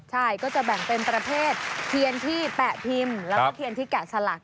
ใช่ก็จะแบ่งเป็นประเภทเทียนที่แปะพิมพ์แล้วก็เทียนที่แกะสลัก